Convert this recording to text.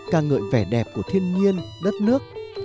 càng ngợi vẻ đẹp của thiên nhiên đất nước